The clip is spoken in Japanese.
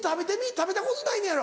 食べたことないのやろ。